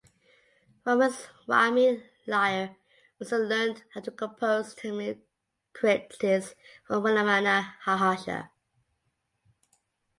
Ramaswami Iyer also learned how to compose Tamil kritis from Ramana Maharshi.